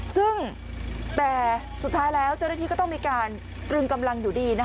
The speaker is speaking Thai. ซึ่งแต่สุดท้ายแล้วเจ้าหน้าที่ก็ต้องมีการตรึงกำลังอยู่ดี